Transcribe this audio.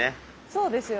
そうですよ。